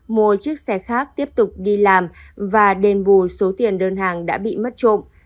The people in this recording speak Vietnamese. mua chiếc xe khác tiếp tục đi làm và đền bù số tiền đơn hàng đã bị mất trộm